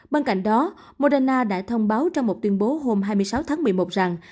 bên cạnh đó moderna đã thông báo trong một tuyên bố hôm hai mươi sáu tháng một mươi một rằng